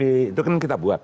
itu kan kita buat